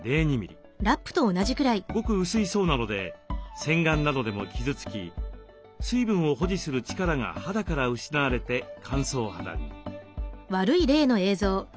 ごく薄い層なので洗顔などでも傷つき水分を保持する力が肌から失われて乾燥肌に。